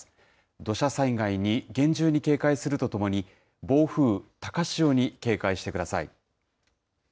土砂災害に厳重に警戒するとともに、暴風、高潮に警戒してください。